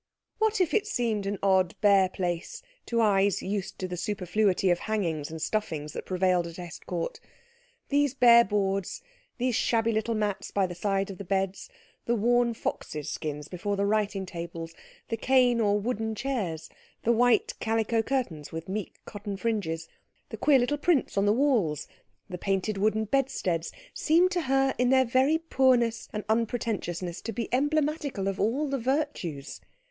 What if it seemed an odd, bare place to eyes used to the superfluity of hangings and stuffings that prevailed at Estcourt? These bare boards, these shabby little mats by the side of the beds, the worn foxes' skins before the writing tables, the cane or wooden chairs, the white calico curtains with meek cotton fringes, the queer little prints on the walls, the painted wooden bedsteads, seemed to her in their very poorness and unpretentiousness to be emblematical of all the virtues.